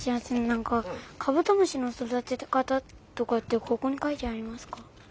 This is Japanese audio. なんかカブトムシのそだてかたとかってここにかいてありますか？